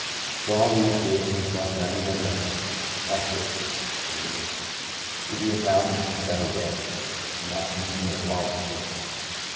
*'' For all the use he is to himself or any body else' — that hits me," he mused. "' He'd be a thousand times better dead '— and that hands me a wallop too.